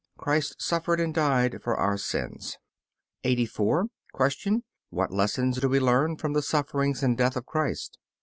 Christ suffered and died for our sins. 84. Q. What lessons do we learn from the sufferings and death of Christ?